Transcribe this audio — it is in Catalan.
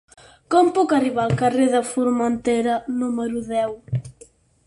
Com puc arribar al carrer de Formentera número deu?